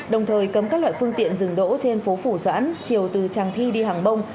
đồng thời cấm các loại phương tiện dừng đỗ trên phố phủ doãn chiều từ tràng thi đi hàng bông